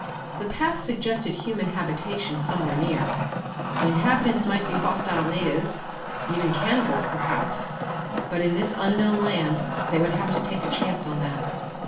The path suggested human habitation somewhere near. The inhabitants might be hostile natives, even cannibals perhaps, but in this unknown land they would have to take a chance on that.